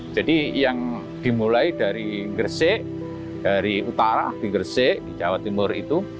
jadi yang dimulai dari ngersek dari utara di ngersek di jawa timur itu